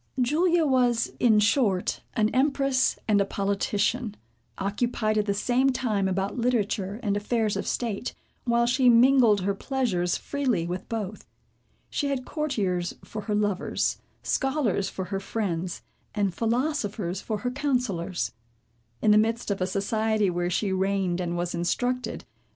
Julia was, in short, an empress and a politician, occupied at the same time about literature, and affairs of state, while she mingled her pleasures freely with both. She had courtiers for her lovers, scholars for her friends, and philosophers for her counsellors. In the midst of a society, where she reigned and was instructed.